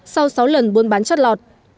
sau sáu lần buôn bán chất lọt